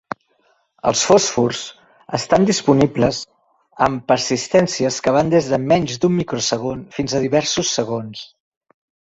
Els fòsfors estan disponibles amb persistències que van des de menys d'un microsegon fins a diversos segons.